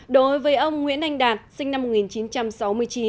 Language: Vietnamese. đối với ông nguyễn anh đạt sinh năm một nghìn chín trăm sáu mươi chín